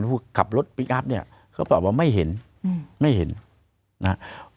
ผู้ขับรถเนี้ยเขาบอกว่าไม่เห็นอืมไม่เห็นนะฮะ